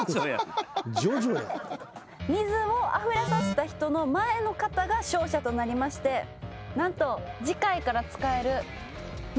水をあふれさせた人の前の方が勝者となりまして何と次回から使える身代わりチケット。